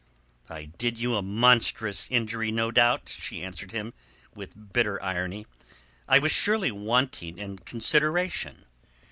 "I did you a monstrous injury, no doubt," she answered him, with bitter irony. "I was surely wanting in consideration.